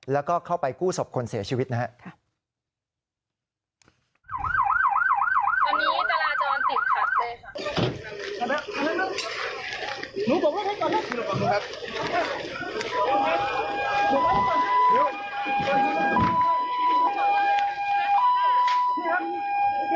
แล้วก็เข้าไปกู้ศพคนเสียชีวิตนะครับ